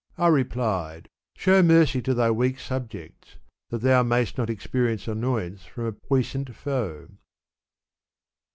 I replied, " Show mercy to thy weak subjects, that thou mayst not experience annoyance from a puissant foe."